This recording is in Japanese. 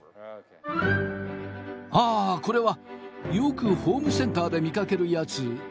ああこれはよくホームセンターで見かけるやつですね。